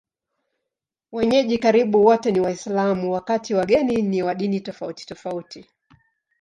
Wenyeji karibu wote ni Waislamu, wakati wageni ni wa dini tofautitofauti.